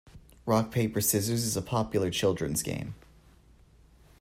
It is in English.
Rock, paper, scissors is a popular children's game.